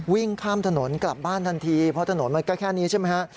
วิ่งข้ามถนนกลับบ้านทันทีเพราะถนนมันก็แค่นี้ใช่ไหมฮะ